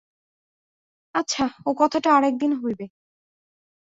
আচ্ছা ও কথাটা আর একদিন হইবে।